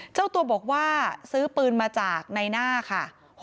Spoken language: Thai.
เจ้าตัวบอกว่าซื้อปืนมาจากในหน้าค่ะ